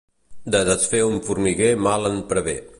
De desfer un formiguer mal en pervé.